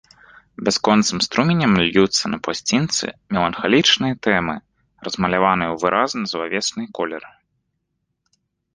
Бясконцым струменем льюцца на пласцінцы меланхалічныя тэмы, размаляваныя ў выразна злавесныя колеры.